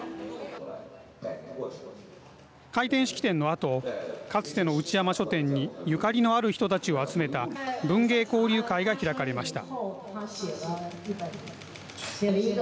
開店式典の後かつての内山書店にゆかりのある人たちを集めた文芸交流会が開かれました。